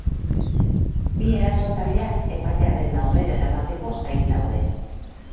Bi erasotzaileak epailearen aurrera eramateko zain daude.